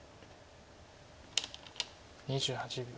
２８秒。